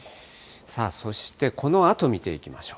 そしてこのあと見ていきましょう。